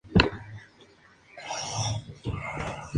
Su pico anaranjado es fino y muy curvado hacia abajo.